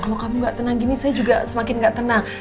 kalau kamu gak tenang gini saya juga semakin nggak tenang